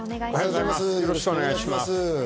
よろしくお願いします。